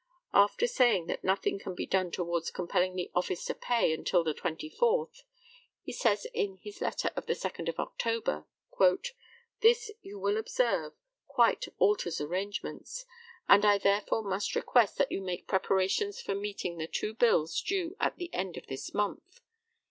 After saying that nothing can be done towards compelling the office to pay until the 24th, he says in his letter of the 2d of October: "This, you will observe, quite alters arrangements, and I therefore must request that you make preparations for meeting the two bills due at the end of this month....